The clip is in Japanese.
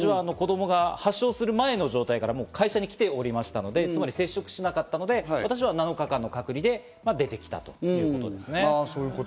発症する前から会社に来ておりましたので、接触しなかったので私は７日間の隔離で出てきたということですね。